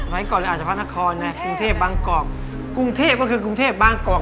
ก่อนเราอาจจะพระนครไงกรุงเทพบางกอกกรุงเทพก็คือกรุงเทพบางกอก